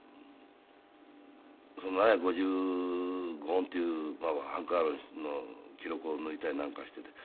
７５５本っていうハンク・アーロンの記録を抜いたりなんかしていて。